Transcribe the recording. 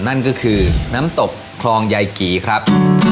นั่นก็คือน้ำตกคลองยายกี่ครับ